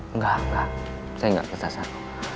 enggak enggak saya enggak kesasar